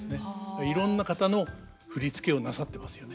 いろんな方の振り付けをなさってますよね。